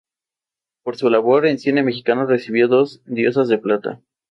El barro rojo no se puede eliminar fácilmente.